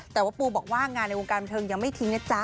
แต่ว่าปูบอกว่างานในวงการบันเทิงยังไม่ทิ้งนะจ๊ะ